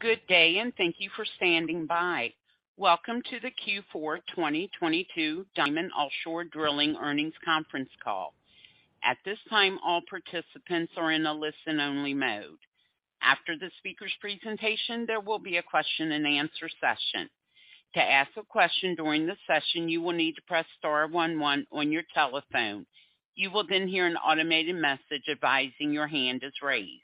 Good day, and thank you for standing by. Welcome to the Q4 2022 Diamond Offshore Drilling Earnings Conference Call. At this time, all participants are in a listen-only mode. After the speaker's presentation, there will be a question-and-answer session. To ask a question during the session, you will need to press star one one on your telephone. You will hear an automated message advising your hand is raised.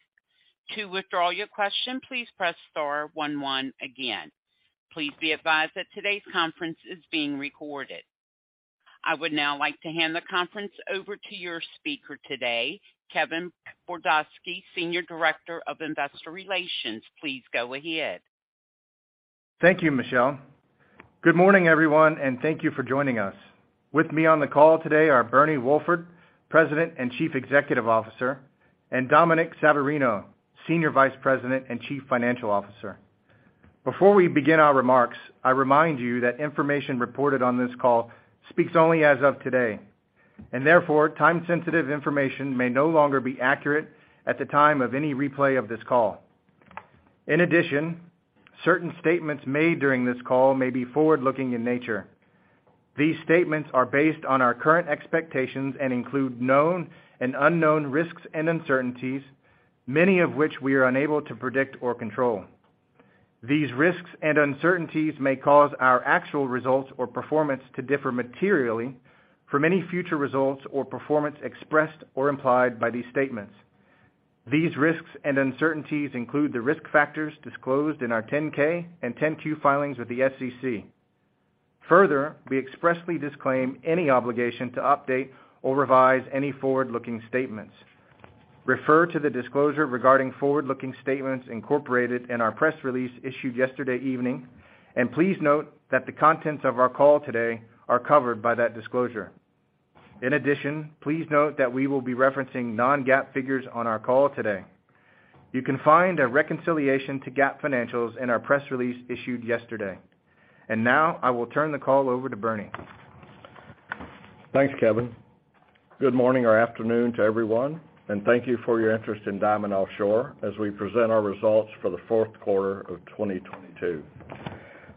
To withdraw your question, please press star one one again. Please be advised that today's conference is being recorded. I would now like to hand the conference over to your speaker today, Kevin Bordosky, Senior Director of Investor Relations. Please go ahead. Thank you, Michelle. Good morning, everyone, and thank you for joining us. With me on the call today are Bernie Wolford, President and Chief Executive Officer, and Dominic Savarino, Senior Vice President and Chief Financial Officer. Before we begin our remarks, I remind you that information reported on this call speaks only as of today, and therefore, time-sensitive information may no longer be accurate at the time of any replay of this call. In addition, certain statements made during this call may be forward-looking in nature. These statements are based on our current expectations and include known and unknown risks and uncertainties, many of which we are unable to predict or control. These risks and uncertainties may cause our actual results or performance to differ materially from any future results or performance expressed or implied by these statements. These risks and uncertainties include the risk factors disclosed in our 10-K and 10-Q filings with the SEC. Further, we expressly disclaim any obligation to update or revise any forward-looking statements. Refer to the disclosure regarding forward-looking statements incorporated in our press release issued yesterday evening, and please note that the contents of our call today are covered by that disclosure. In addition, please note that we will be referencing non-GAAP figures on our call today. You can find a reconciliation to GAAP financials in our press release issued yesterday. Now I will turn the call over to Bernie. Thanks, Kevin. Good morning or afternoon to everyone. Thank you for your interest in Diamond Offshore as we present our results for the fourth quarter of 2022.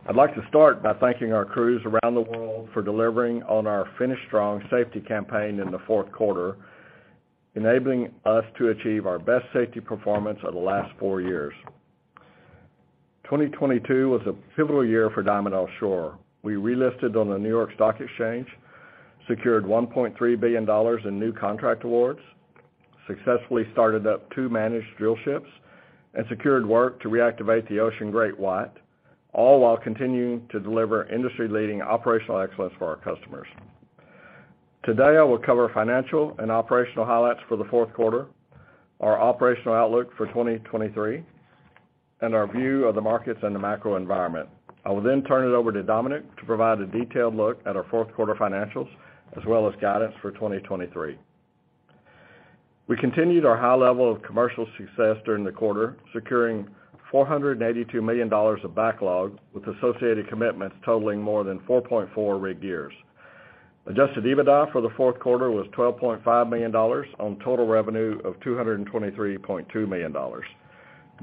I'd like to start by thanking our crews around the world for delivering on our Finish Strong safety campaign in the fourth quarter, enabling us to achieve our best safety performance of the last four years. 2022 was a pivotal year for Diamond Offshore. We relisted on the New York Stock Exchange, secured $1.3 billion in new contract awards, successfully started up two managed drillships and secured work to reactivate the Ocean GreatWhite, all while continuing to deliver industry-leading operational excellence for our customers. Today, I will cover financial and operational highlights for the fourth quarter, our operational outlook for 2023, and our view of the markets and the macro environment. I will turn it over to Dominic to provide a detailed look at our fourth quarter financials as well as guidance for 2023. We continued our high level of commercial success during the quarter, securing $482 million of backlog with associated commitments totaling more than 4.4 rig years. Adjusted EBITDA for the fourth quarter was $12.5 million on total revenue of $223.2 million.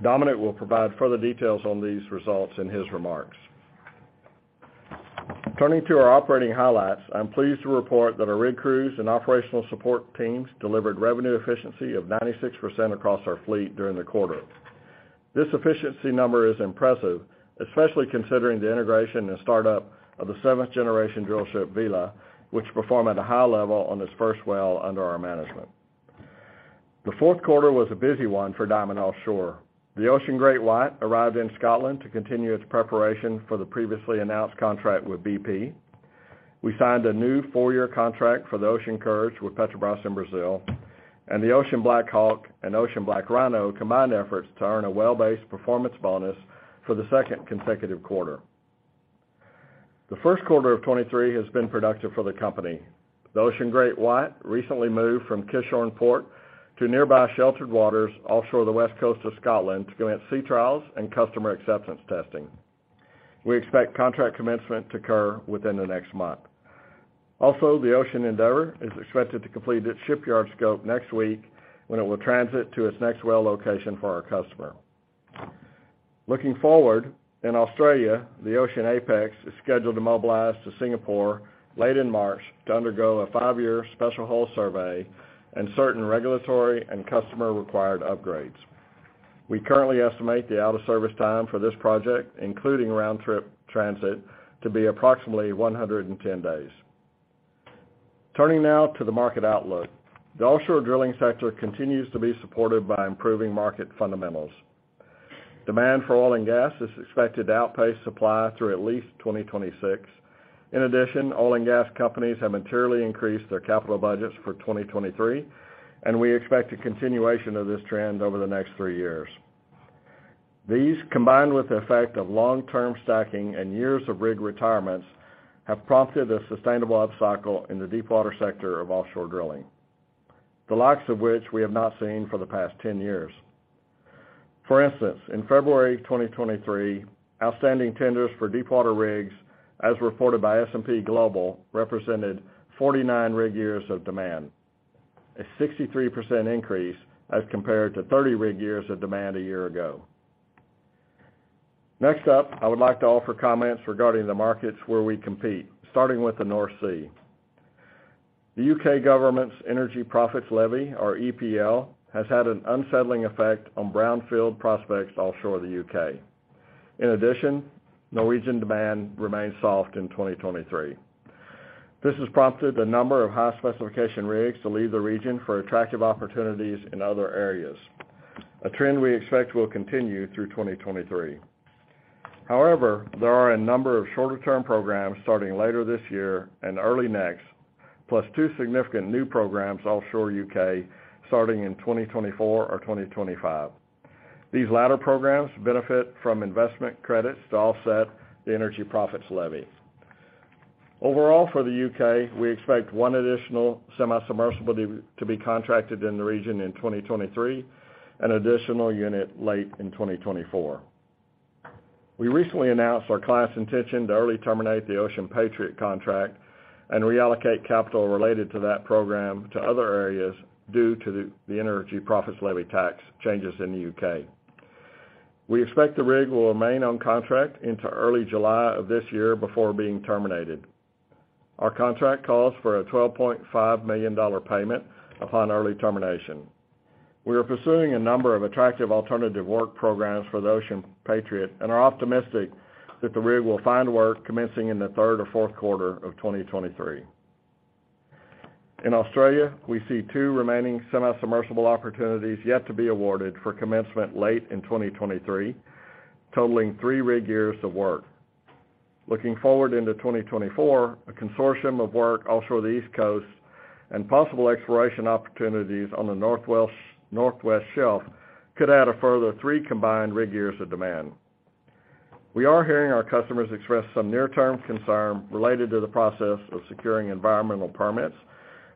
Dominic will provide further details on these results in his remarks. Turning to our operating highlights, I'm pleased to report that our rig crews and operational support teams delivered revenue efficiency of 96% across our fleet during the quarter. This efficiency number is impressive, especially considering the integration and startup of the seventh-generation drillship, Vela, which performed at a high level on its first well under our management. The fourth quarter was a busy one for Diamond Offshore. The Ocean GreatWhite arrived in Scotland to continue its preparation for the previously announced contract with BP. We signed a new four-year contract for the Ocean Courage with Petrobras in Brazil, and the Ocean BlackHawk and Ocean BlackRhino combined efforts to earn a well-based performance bonus for the second consecutive quarter. The first quarter of 2023 has been productive for the company. The Ocean GreatWhite recently moved from Kishorn Port to nearby sheltered waters offshore the west coast of Scotland to commence sea trials and customer acceptance testing. We expect contract commencement to occur within the next month. The Ocean Endeavour is expected to complete its shipyard scope next week when it will transit to its next well location for our customer. Looking forward, in Australia, the Ocean Apex is scheduled to mobilize to Singapore late in March to undergo a five-year special hull survey and certain regulatory and customer-required upgrades. We currently estimate the out-of-service time for this project, including round-trip transit, to be approximately 110 days. Turning now to the market outlook. The offshore drilling sector continues to be supported by improving market fundamentals. Demand for oil and gas is expected to outpace supply through at least 2026. Oil and gas companies have materially increased their capital budgets for 2023, and we expect a continuation of this trend over the next three years. These, combined with the effect of long-term stacking and years of rig retirements, have prompted a sustainable upcycle in the deepwater sector of offshore drilling, the likes of which we have not seen for the past 10 years. For instance, in February 2023, outstanding tenders for deepwater rigs, as reported by S&P Global, represented 49 rig years of demand. A 63% increase as compared to 30 rig years of demand a year ago. Next up, I would like to offer comments regarding the markets where we compete, starting with the North Sea. The U.K. government's Energy Profits Levy, or EPL, has had an unsettling effect on brownfield prospects offshore the U.K. In addition, Norwegian demand remains soft in 2023. This has prompted a number of high-specification rigs to leave the region for attractive opportunities in other areas, a trend we expect will continue through 2023. However, there are a number of shorter-term programs starting later this year and early next, plus two significant new programs offshore U.K. starting in 2024 or 2025. These latter programs benefit from investment credits to offset the Energy Profits Levy. Overall, for the U.K., we expect one additional semi-submersible to be contracted in the region in 2023, an additional unit late in 2024. We recently announced our client's intention to early terminate the Ocean Patriot contract and reallocate capital related to that program to other areas due to the Energy Profits Levy tax changes in the U.K. We expect the rig will remain on contract into early July of this year before being terminated. Our contract calls for a $12.5 million payment upon early termination. We are pursuing a number of attractive alternative work programs for the Ocean Patriot and are optimistic that the rig will find work commencing in the third or fourth quarter of 2023. In Australia, we see two remaining semi-submersible opportunities yet to be awarded for commencement late in 2023, totaling 3 rig years of work. Looking forward into 2024, a consortium of work offshore the East Coast and possible exploration opportunities on the northwest shelf could add a further 3 combined rig years of demand. We are hearing our customers express some near-term concern related to the process of securing environmental permits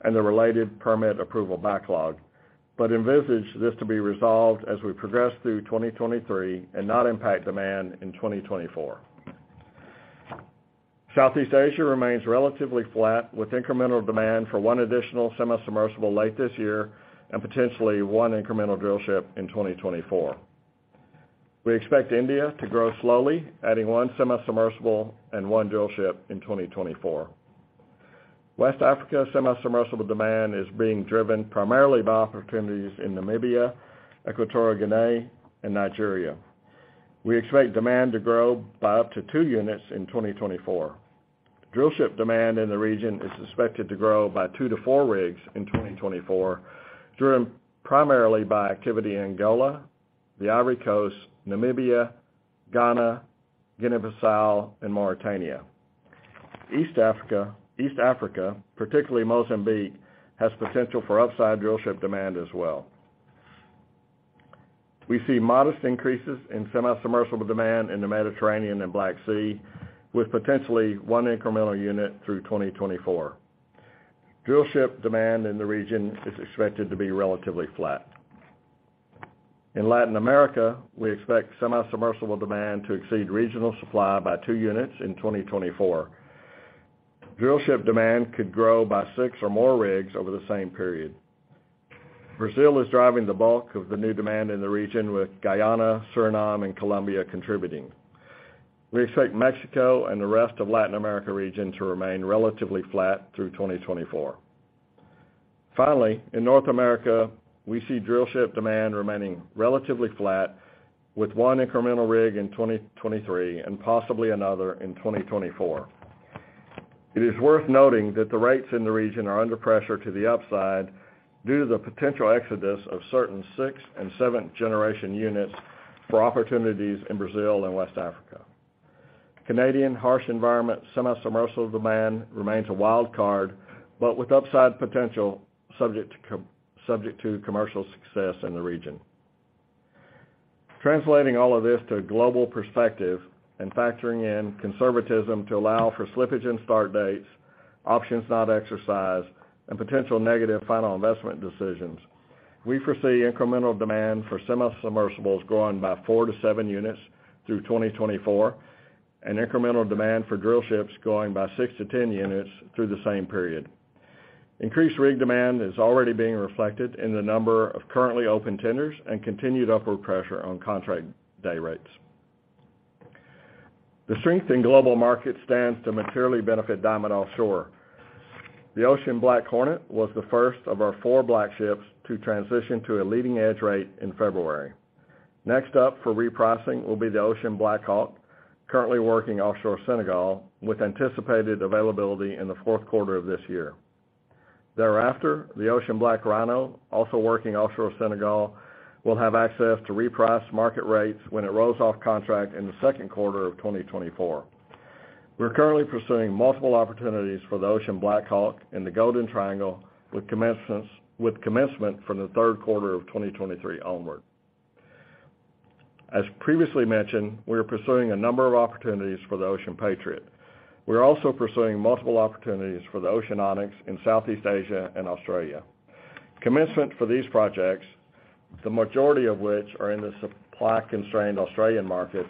and the related permit approval backlog, but envisage this to be resolved as we progress through 2023 and not impact demand in 2024. Southeast Asia remains relatively flat with incremental demand for one additional semi-submersible late this year and potentially one incremental drillship in 2024. We expect India to grow slowly, adding one semi-submersible and one drillship in 2024. West Africa semi-submersible demand is being driven primarily by opportunities in Namibia, Equatorial Guinea, and Nigeria. We expect demand to grow by up to two units in 2024. Drillship demand in the region is suspected to grow by 2-4 rigs in 2024, driven primarily by activity in Angola, the Ivory Coast, Namibia, Ghana, Guinea-Bissau, and Mauritania. East Africa, particularly Mozambique, has potential for upside drillship demand as well. We see modest increases in semi-submersible demand in the Mediterranean and Black Sea, with potentially one incremental unit through 2024. Drillship demand in the region is expected to be relatively flat. In Latin America, we expect semi-submersible demand to exceed regional supply by 2 units in 2024. Drillship demand could grow by six or more rigs over the same period. Brazil is driving the bulk of the new demand in the region, with Guyana, Suriname, and Colombia contributing. We expect Mexico and the rest of Latin America region to remain relatively flat through 2024. Finally, in North America, we see drillship demand remaining relatively flat with 1 incremental rig in 2023 and possibly another in 2024. It is worth noting that the rates in the region are under pressure to the upside due to the potential exodus of certain 6th and 7th-generation units for opportunities in Brazil and West Africa. Canadian harsh environment semi-submersible demand remains a wild card, with upside potential subject to commercial success in the region. Translating all of this to a global perspective and factoring in conservatism to allow for slippage in start dates, options not exercised, and potential negative final investment decisions, we foresee incremental demand for semi-submersibles growing by 4-7 units through 2024, and incremental demand for drillships growing by 6-10 units through the same period. Increased rig demand is already being reflected in the number of currently open tenders and continued upward pressure on contract day rates. The strength in global market stands to materially benefit Diamond Offshore. The Ocean BlackHornet was the first of our 4 BlackShips to transition to a leading-edge rate in February. Next up for repricing will be the Ocean BlackHawk, currently working offshore Senegal with anticipated availability in the fourth quarter of this year. Thereafter, the Ocean BlackRhino, also working offshore Senegal, will have access to repriced market rates when it rolls off contract in the second quarter of 2024. We're currently pursuing multiple opportunities for the Ocean BlackHawk in the Golden Triangle with commencement from the third quarter of 2023 onward. As previously mentioned, we are pursuing a number of opportunities for the Ocean Patriot. We are also pursuing multiple opportunities for the Ocean Onyx in Southeast Asia and Australia. Commencement for these projects. The majority of which are in the supply-constrained Australian market,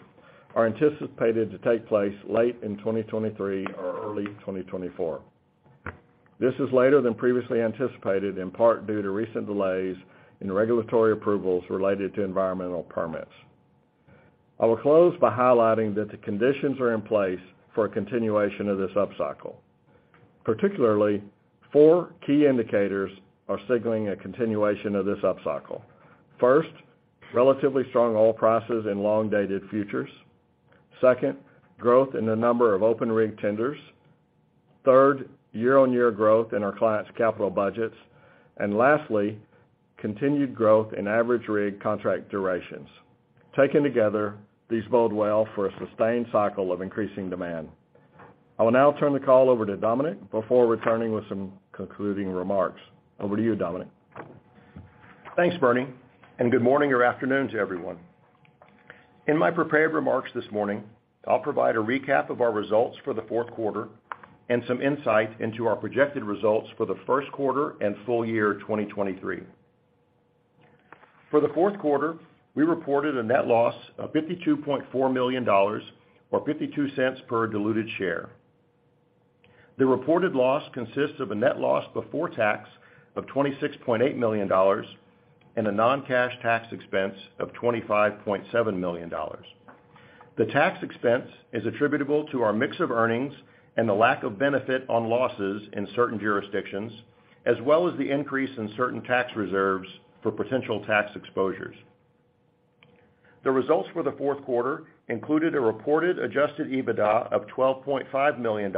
are anticipated to take place late in 2023 or early 2024. This is later than previously anticipated, in part due to recent delays in regulatory approvals related to environmental permits. I will close by highlighting that the conditions are in place for a continuation of this upcycle. Particularly, four key indicators are signaling a continuation of this upcycle. First, relatively strong oil prices and long-dated futures. Second, growth in the number of open rig tenders. Third, year-on-year growth in our clients' capital budgets. Lastly, continued growth in average rig contract durations. Taken together, these bode well for a sustained cycle of increasing demand. I will now turn the call over to Dominic before returning with some concluding remarks. Over to you, Dominic. Thanks, Bernie. Good morning or afternoon to everyone. In my prepared remarks this morning, I'll provide a recap of our results for the fourth quarter and some insight into our projected results for the first quarter and full year 2023. For the fourth quarter, we reported a net loss of $52.4 million or $0.52 per diluted share. The reported loss consists of a net loss before tax of $26.8 million and a non-cash tax expense of $25.7 million. The tax expense is attributable to our mix of earnings and the lack of benefit on losses in certain jurisdictions, as well as the increase in certain tax reserves for potential tax exposures. The results for the fourth quarter included a reported Adjusted EBITDA of $12.5 million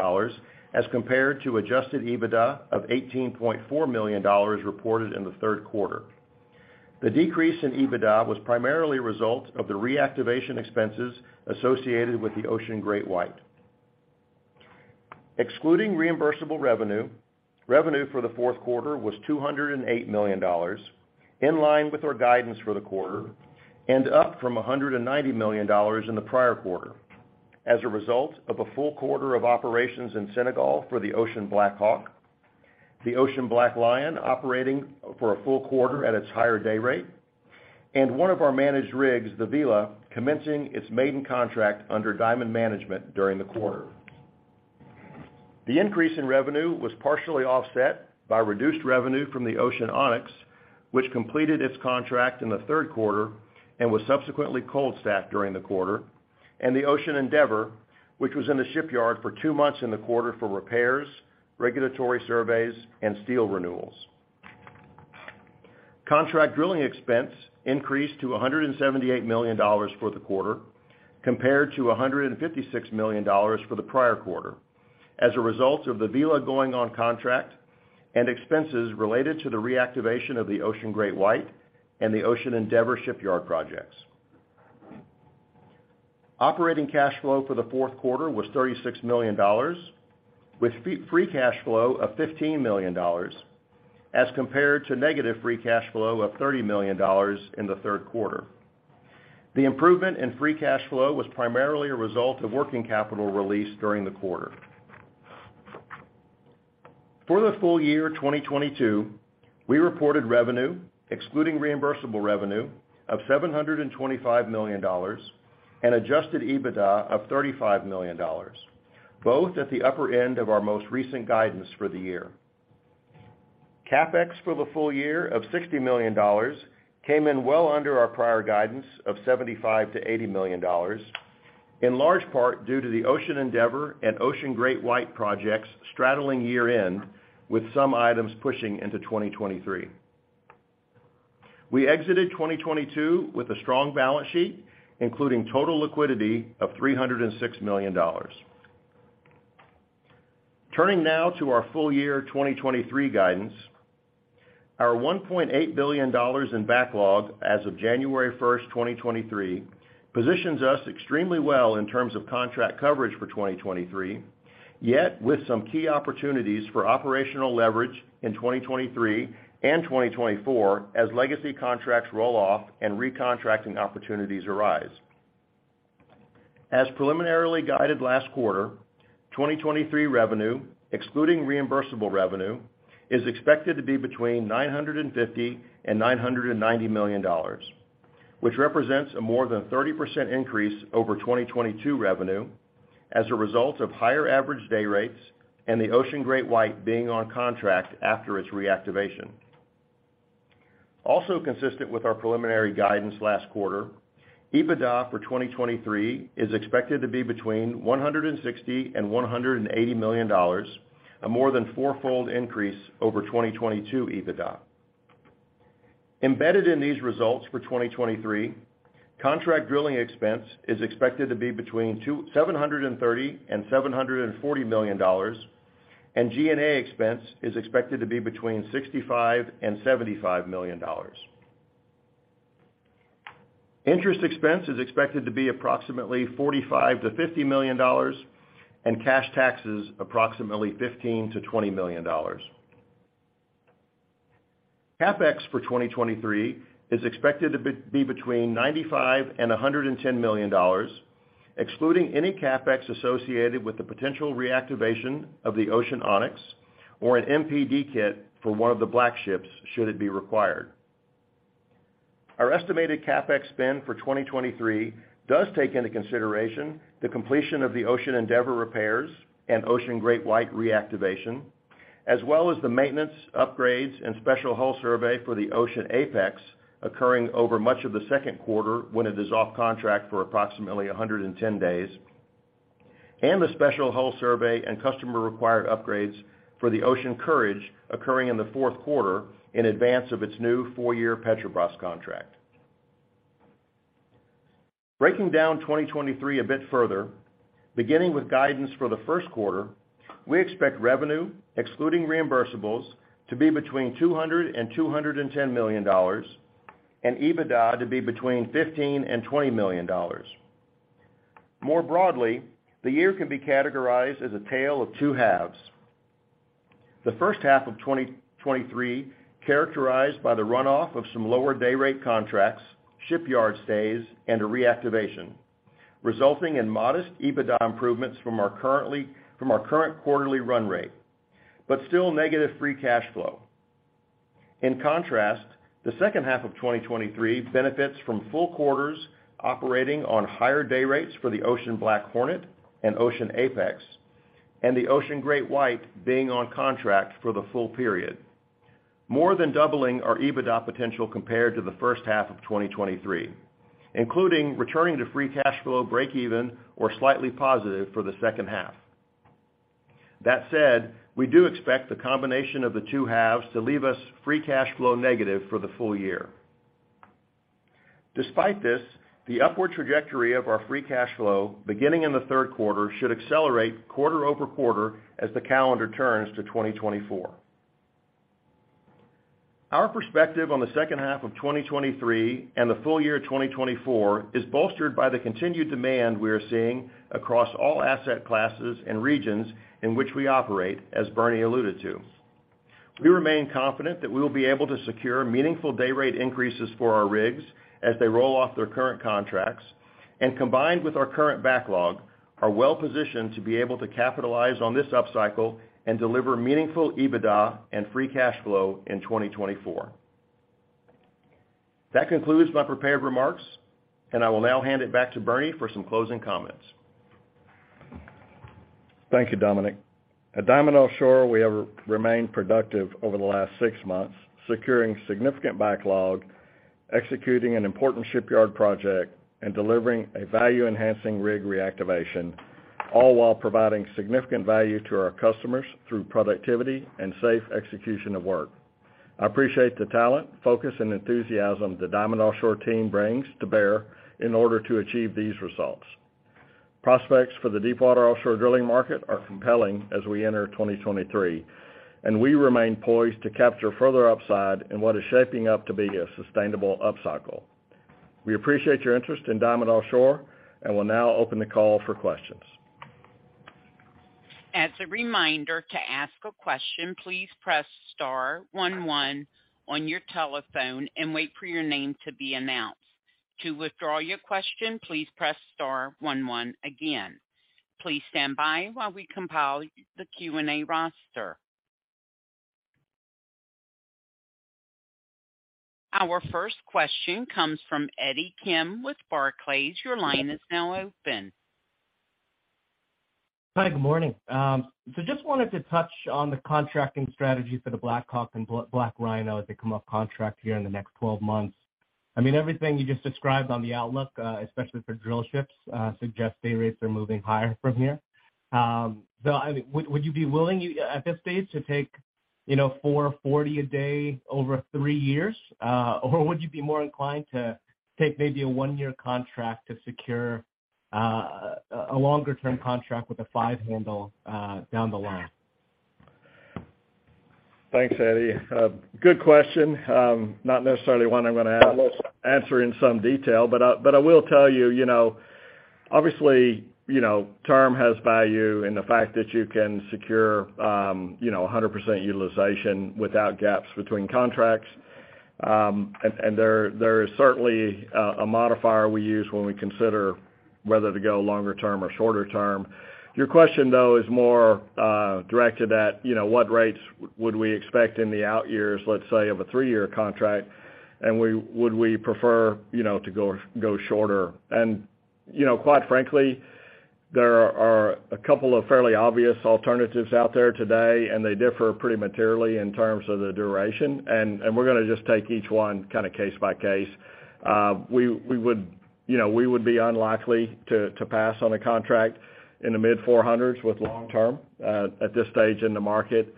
as compared to Adjusted EBITDA of $18.4 million reported in the third quarter. The decrease in EBITDA was primarily a result of the reactivation expenses associated with the Ocean GreatWhite. Excluding reimbursable revenue for the fourth quarter was $208 million, in line with our guidance for the quarter and up from $190 million in the prior quarter as a result of a full quarter of operations in Senegal for the Ocean BlackHawk, the Ocean BlackLion operating for a full quarter at its higher day rate, and one of our managed rigs, the Vela, commencing its maiden contract under Diamond Management during the quarter. The increase in revenue was partially offset by reduced revenue from the Ocean Onyx, which completed its contract in the third quarter and was subsequently cold stacked during the quarter, and the Ocean Endeavour, which was in the shipyard for two months in the quarter for repairs, regulatory surveys, and steel renewals. Contract drilling expense increased to $178 million for the quarter compared to $156 million for the prior quarter as a result of the Vela going on contract and expenses related to the reactivation of the Ocean GreatWhite and the Ocean Endeavour shipyard projects. Operating cash flow for the fourth quarter was $36 million, with free cash flow of $15 million as compared to negative free cash flow of $30 million in the third quarter. The improvement in free cash flow was primarily a result of working capital release during the quarter. For the full year 2022, we reported revenue, excluding reimbursable revenue, of $725 million and Adjusted EBITDA of $35 million, both at the upper end of our most recent guidance for the year. CapEx for the full year of $60 million came in well under our prior guidance of $75 million-$80 million, in large part due to the Ocean Endeavour and Ocean GreatWhite projects straddling year-end with some items pushing into 2023. We exited 2022 with a strong balance sheet, including total liquidity of $306 million. Turning now to our full year 2023 guidance, our $1.8 billion in backlog as of January 1st, 2023, positions us extremely well in terms of contract coverage for 2023, yet with some key opportunities for operational leverage in 2023 and 2024 as legacy contracts roll off and recontracting opportunities arise. Preliminarily guided last quarter, 2023 revenue, excluding reimbursable revenue, is expected to be between $950 million and $990 million, which represents a more than 30% increase over 2022 revenue as a result of higher average day rates and the Ocean GreatWhite being on contract after its reactivation. Also consistent with our preliminary guidance last quarter, EBITDA for 2023 is expected to be between $160 million and $180 million, a more than four-fold increase over 2022 EBITDA. Embedded in these results for 2023, contract drilling expense is expected to be between $730 million and $740 million, and G&A expense is expected to be between $65 million and $75 million. Interest expense is expected to be approximately $45 million-$50 million, and cash taxes approximately $15 million-$20 million. CapEx for 2023 is expected to be between $95 million and $110 million. Excluding any CapEx associated with the potential reactivation of the Ocean Onyx or an MPD kit for one of the Black Ships should it be required. Our estimated CapEx spend for 2023 does take into consideration the completion of the Ocean Endeavour repairs and Ocean GreatWhite reactivation, as well as the maintenance, upgrades, and special hull survey for the Ocean Apex occurring over much of the 2nd quarter when it is off contract for approximately 110 days, and the special hull survey and customer-required upgrades for the Ocean Courage occurring in the 4th quarter in advance of its new four-year Petrobras contract. Breaking down 2023 a bit further, beginning with guidance for the 1st quarter, we expect revenue excluding reimbursables to be between $200 million and $210 million and EBITDA to be between $15 million and $20 million. More broadly, the year can be categorized as a tale of two halves. The first half of 2023 characterized by the runoff of some lower day rate contracts, shipyard stays, and a reactivation, resulting in modest EBITDA improvements from our current quarterly run rate, but still negative free cash flow. In contrast, the second half of 2023 benefits from full quarters operating on higher day rates for the Ocean BlackHornet and Ocean Apex, and the Ocean GreatWhite being on contract for the full period, more than doubling our EBITDA potential compared to the first half of 2023, including returning to free cash flow breakeven or slightly positive for the second half. That said, we do expect the combination of the two halves to leave us free cash flow negative for the full year. Despite this, the upward trajectory of our free cash flow beginning in the third quarter should accelerate quarter-over-quarter as the calendar turns to 2024. Our perspective on the second half of 2023 and the full year 2024 is bolstered by the continued demand we are seeing across all asset classes and regions in which we operate, as Bernie alluded to. We remain confident that we will be able to secure meaningful day rate increases for our rigs as they roll off their current contracts, and combined with our current backlog, are well positioned to be able to capitalize on this upcycle and deliver meaningful EBITDA and free cash flow in 2024. That concludes my prepared remarks. I will now hand it back to Bernie for some closing comments. Thank you, Dominic. At Diamond Offshore, we have remained productive over the last six months, securing significant backlog, executing an important shipyard project and delivering a value-enhancing rig reactivation, all while providing significant value to our customers through productivity and safe execution of work. I appreciate the talent, focus and enthusiasm the Diamond Offshore team brings to bear in order to achieve these results. Prospects for the deepwater offshore drilling market are compelling as we enter 2023. We remain poised to capture further upside in what is shaping up to be a sustainable upcycle. We appreciate your interest in Diamond Offshore and will now open the call for questions. As a reminder, to ask a question, please press star one one on your telephone and wait for your name to be announced. To withdraw your question, please press star one one again. Please stand by while we compile the Q&A roster. Our first question comes from Eddie Kim with Barclays. Your line is now open. Hi, good morning. Just wanted to touch on the contracting strategy for the BlackHawk and BlackRhino as they come off contract here in the next 12 months. I mean, everything you just described on the outlook, especially for drill ships, suggests day rates are moving higher from here. I mean, would you be willing at this stage to take, you know, $440 a day over 3 years? Or would you be more inclined to take maybe a 1-year contract to secure a longer-term contract with a five handle down the line? Thanks, Eddie. Good question. Not necessarily one I'm gonna answer in some detail, but I will tell you know, obviously, you know, term has value in the fact that you can secure, you know, 100% utilization without gaps between contracts. And there is certainly a modifier we use when we consider whether to go longer term or shorter term. Your question, though, is more directed at, you know, what rates would we expect in the out years, let's say, of a 3-year contract, and would we prefer, you know, to go shorter. You know, quite frankly, there are a couple of fairly obvious alternatives out there today, and they differ pretty materially in terms of the duration, and we're gonna just take each one kinda case by case. We would, you know, we would be unlikely to pass on a contract in the mid-$400s with long term at this stage in the market,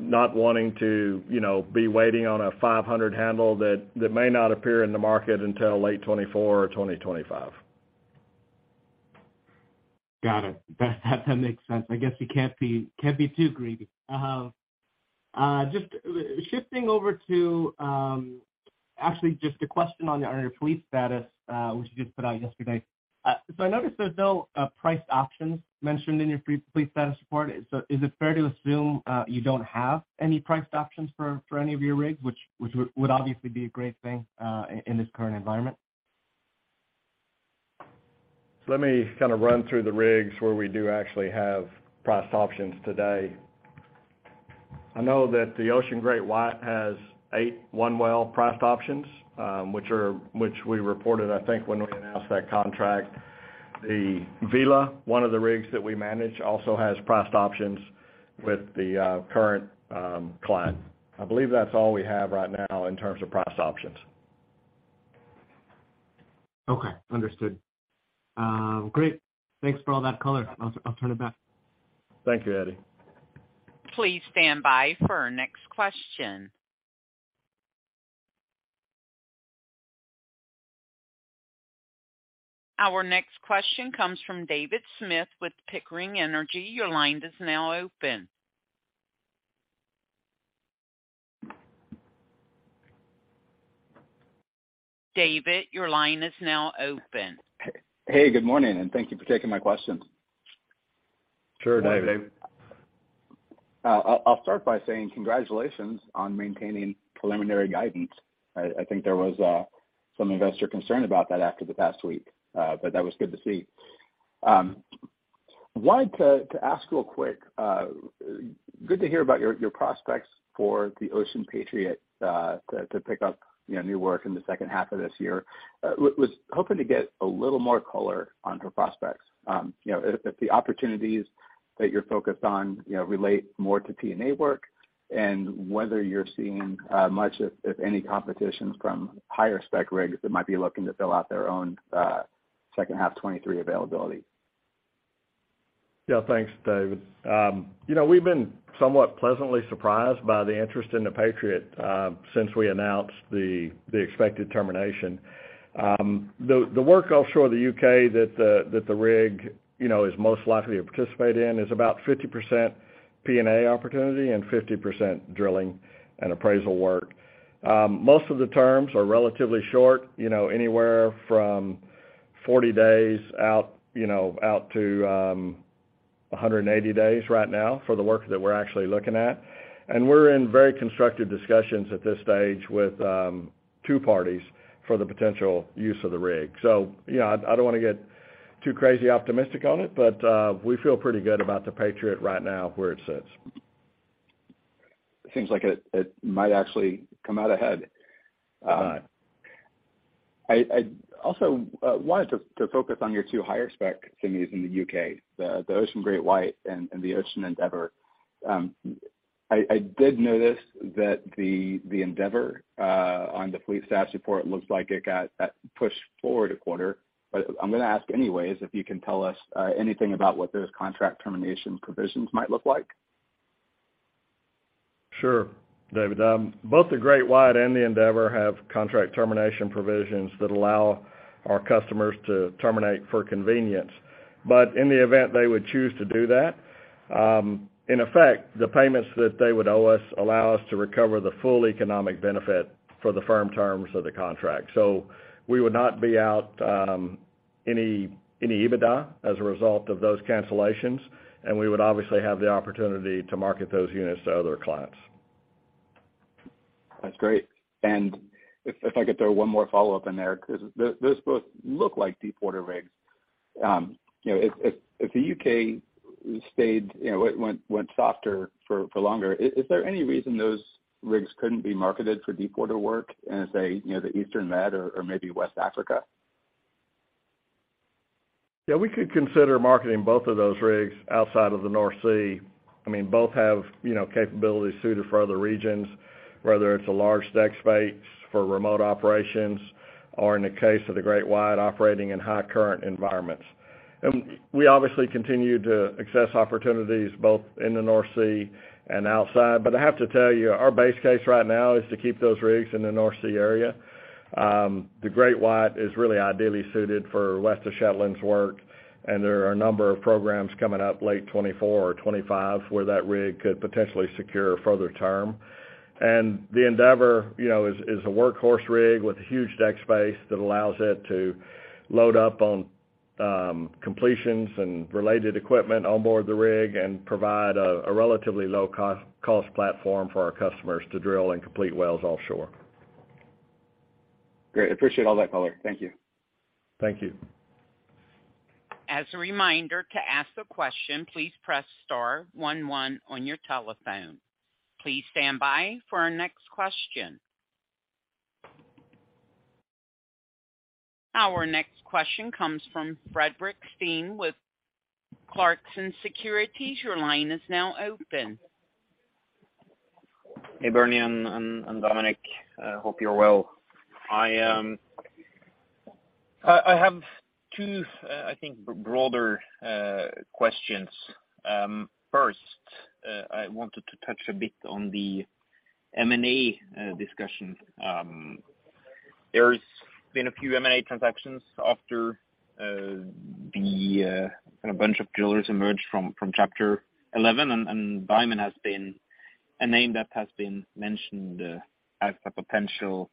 not wanting to, you know, be waiting on a $500 handle that may not appear in the market until late 2024 or 2025. Got it. That makes sense. I guess you can't be too greedy. Shifting over to, actually just a question on your fleet status, which you just put out yesterday. I noticed there's no priced options mentioned in your free fleet status report. Is it fair to assume you don't have any priced options for any of your rigs, which would obviously be a great thing in this current environment? Let me kind of run through the rigs where we do actually have priced options today. I know that the Ocean GreatWhite has 8 one-well priced options, which we reported, I think, when we announced that contract. The Vela, one of the rigs that we manage, also has priced options with the current client. I believe that's all we have right now in terms of priced options. Okay. Understood. Great. Thanks for all that color. I'll turn it back. Thank you, Eddie. Please stand by for our next question. Our next question comes from David Smith with Pickering Energy. Your line is now open. David, your line is now open. Hey, good morning, and thank you for taking my questions. Sure, David. Morning, David. I'll start by saying congratulations on maintaining preliminary guidance. I think there was some investor concern about that after the past week, but that was good to see. Wanted to ask real quick, good to hear about your prospects for the Ocean Patriot to pick up, you know, new work in the second half of this year. Was hoping to get a little more color on her prospects. You know, if the opportunities that you're focused on, you know, relate more to P&A work and whether you're seeing much if any competitions from higher spec rigs that might be looking to fill out their own second half 2023 availability. Yeah. Thanks, David. you know, we've been somewhat pleasantly surprised by the interest in the Patriot, since we announced the expected termination. The work offshore the U.K. that the rig, you know, is most likely to participate in is about 50% P&A opportunity and 50% drilling and appraisal work. Most of the terms are relatively short, you know, anywhere from 40 days out, you know, out to 180 days right now for the work that we're actually looking at. We're in very constructive discussions at this stage with two parties for the potential use of the rig. you know, I don't wanna get too crazy optimistic on it, but we feel pretty good about the Patriot right now where it sits. It seems like it might actually come out ahead. I also wanted to focus on your two higher spec semis in the U.K., the Ocean GreatWhite and the Ocean Endeavour. I did notice that the Ocean Endeavour on the fleet status report looks like it got pushed forward a quarter. I'm gonna ask anyways if you can tell us anything about what those contract termination provisions might look like. Sure, David. Both the GreatWhite and the Endeavour have contract termination provisions that allow our customers to terminate for convenience. In the event they would choose to do that, in effect, the payments that they would owe us allow us to recover the full economic benefit for the firm terms of the contract. We would not be out any EBITDA as a result of those cancellations. We would obviously have the opportunity to market those units to other clients. That's great. If I could throw one more follow-up in there, because those both look like deepwater rigs. You know, if the U.K. stayed, you know, went softer for longer, is there any reason those rigs couldn't be marketed for deepwater work in, say, you know, the Eastern Med or maybe West Africa? Yeah, we could consider marketing both of those rigs outside of the North Sea. I mean, both have, you know, capabilities suited for other regions, whether it's a large deck space for remote operations or, in the case of the GreatWhite, operating in high current environments. We obviously continue to assess opportunities both in the North Sea and outside. I have to tell you, our base case right now is to keep those rigs in the North Sea area. The GreatWhite is really ideally suited for West of Shetland's work, and there are a number of programs coming up late 2024 or 2025 where that rig could potentially secure further term. The Endeavour, you know, is a workhorse rig with huge deck space that allows it to load up on completions and related equipment on board the rig and provide a relatively low cost platform for our customers to drill and complete wells offshore. Great. Appreciate all that color. Thank you. Thank you. As a reminder, to ask a question, please press star one one on your telephone. Please stand by for our next question. Our next question comes from Fredrik Steen with Clarksons Securities. Your line is now open. Hey, Bernie and Dominic. Hope you're well. I have two, I think broader questions. First, I wanted to touch a bit on the M&A discussions. There's been a few M&A transactions after the kind of bunch of drillers emerged from Chapter 11, and Diamond has been a name that has been mentioned, as a potential,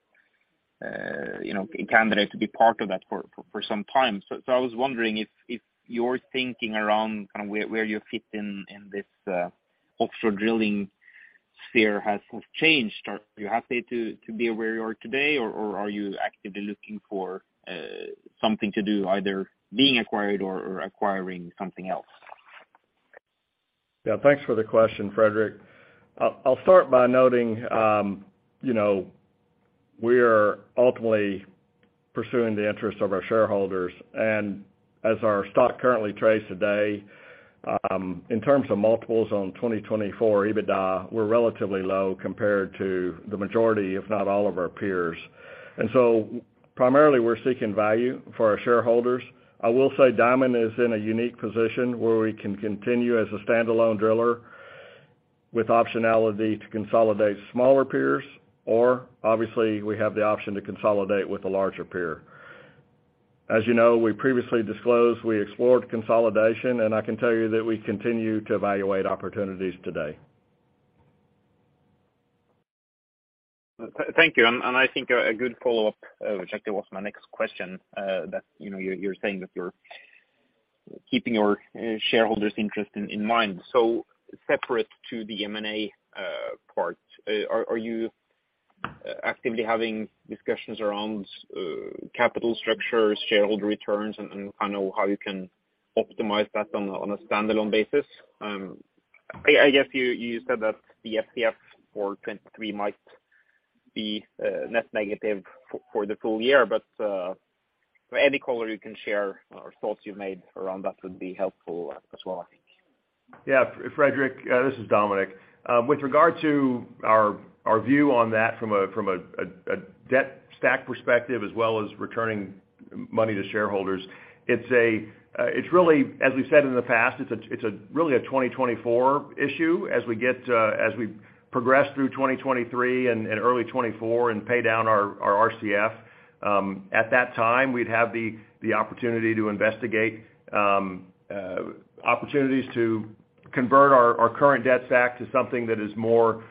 you know, candidate to be part of that for some time. I was wondering if your thinking around kind of where you fit in this offshore drilling sphere has changed. Are you happy to be where you are today, or are you actively looking for something to do, either being acquired or acquiring something else? Yeah, thanks for the question, Fredrik. I'll start by noting, you know, we are ultimately pursuing the interest of our shareholders. As our stock currently trades today, in terms of multiples on 2024 EBITDA, we're relatively low compared to the majority, if not all, of our peers. Primarily we're seeking value for our shareholders. I will say Diamond is in a unique position where we can continue as a standalone driller with optionality to consolidate smaller peers, or obviously we have the option to consolidate with a larger peer. As you know, we previously disclosed we explored consolidation, and I can tell you that we continue to evaluate opportunities today. Thank you. I think a good follow-up, which actually was my next question, that, you know, you're saying that you're keeping your shareholders' interest in mind. Separate to the M&A part, are you actively having discussions around capital structure, shareholder returns, and kind of how you can optimize that on a standalone basis? I guess you said that the RCF for 2023 might be net negative for the full year. Any color you can share or thoughts you've made around that would be helpful as well, I think. Yeah. Fredrik, this is Dominic. With regard to our view on that from a debt stack perspective as well as returning money to shareholders, it's really, as we said in the past, it's a really a 2024 issue as we get as we progress through 2023 and early 2024 and pay down our RCF. At that time, we'd have the opportunity to investigate opportunities to convert our current debt stack to something that is more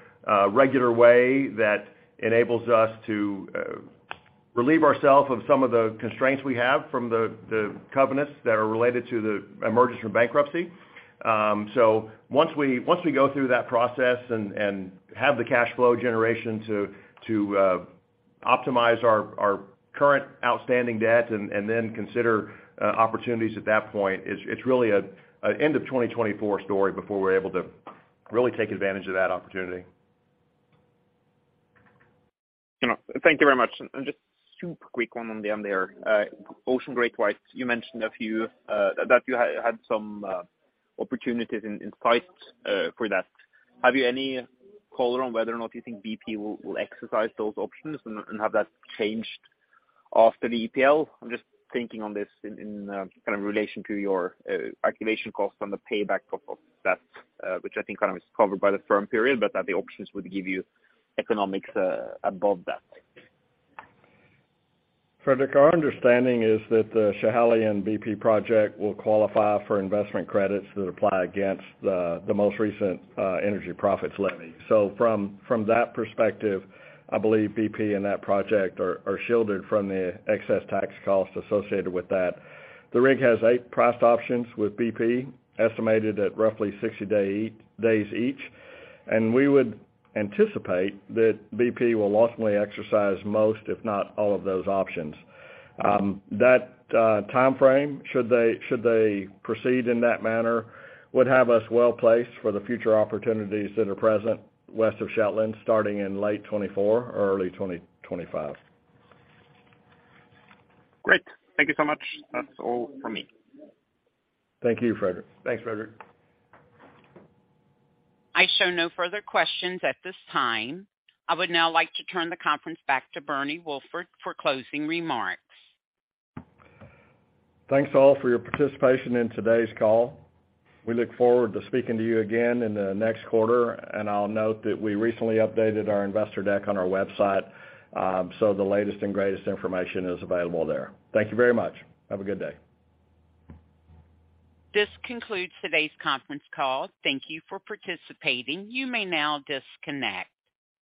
regular way that enables us to relieve ourselves of some of the constraints we have from the covenants that are related to the emergence from bankruptcy. Once we go through that process and have the cash flow generation to optimize our current outstanding debt and then consider opportunities at that point, it's really a end of 2024 story before we're able to really take advantage of that opportunity. You know. Thank you very much. Just two quick one on the end there. Ocean GreatWhite, you mentioned a few that you had some opportunities in spite for that. Have you any color on whether or not you think BP will exercise those options and have that changed after the EPL? I'm just thinking on this in kind of relation to your activation costs on the payback of that, which I think kind of is covered by the firm period, but that the options would give you economics above that. Fredrik, our understanding is that the Schiehallion and BP project will qualify for investment credits that apply against the most recent Energy Profits Levy. From that perspective, I believe BP and that project are shielded from the excess tax costs associated with that. The rig has eight priced options with BP, estimated at roughly 60 days each. We would anticipate that BP will ultimately exercise most, if not all, of those options. That timeframe, should they proceed in that manner, would have us well-placed for the future opportunities that are present west of Shetland, starting in late 2024 or early 2025. Great. Thank you so much. That's all from me. Thank you, Fredrik. Thanks, Fredrik. I show no further questions at this time. I would now like to turn the conference back to Bernie Wolford for closing remarks. Thanks, all, for your participation in today's call. We look forward to speaking to you again in the next quarter. I'll note that we recently updated our investor deck on our website. The latest and greatest information is available there. Thank you very much. Have a good day. This concludes today's conference call. Thank you for participating. You may now disconnect.